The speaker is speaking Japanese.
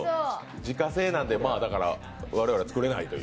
自家製なんで、我々は作れないという。